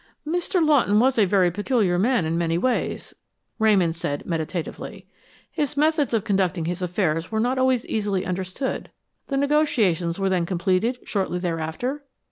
'" "Mr. Lawton was a very peculiar man in many ways," Ramon said meditatively. "His methods of conducting his affairs were not always easily understood. The negotiations were then completed shortly thereafter?"